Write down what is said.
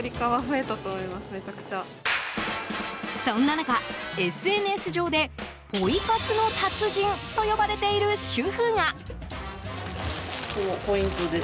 そんな中、ＳＮＳ上でポイ活の達人と呼ばれている主婦が。